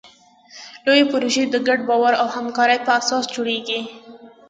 لویې پروژې د ګډ باور او همکارۍ په اساس جوړېږي.